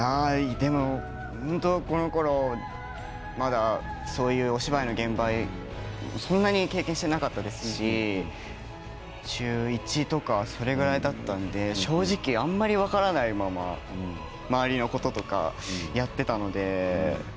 本当に、このころまだそういうお芝居の現場をそんなに経験していなかったですし中１とかそれぐらいだったので正直あまり分からないまま周りのこととかやっていたので。